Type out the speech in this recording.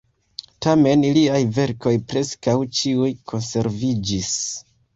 Tamen liaj verkoj preskaŭ ĉiuj konserviĝis.